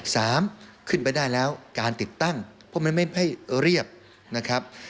สามขึ้นไปได้แล้วการติดตั้งเพราะมันไม่ให้เรียบนะครับ